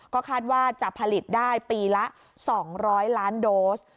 ก็คาดว่าจะผลิตได้ปีละ๒๐๐ล้านโดส